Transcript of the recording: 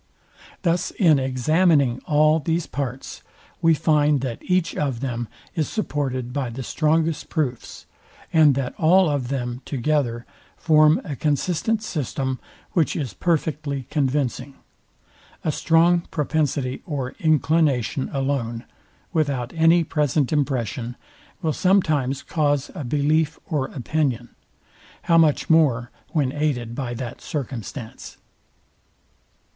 Thus in examining all these parts, we find that each of them is supported by the strongest proofs: and that all of them together form a consistent system, which is perfectly convincing. A strong propensity or inclination alone, without any present impression, will sometimes cause a belief or opinion. How much more when aided by that circumstance?